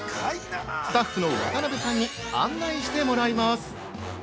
スタッフの渡邊さんに案内してもらいます。